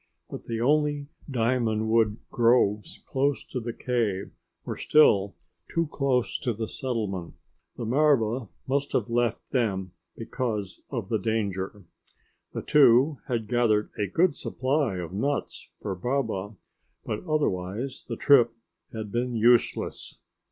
But the only diamond wood groves close to the cave were still too close to the settlement. The marva must have left them because of the danger. The two had gathered a good supply of nuts for Baba, but otherwise the trip had been useless.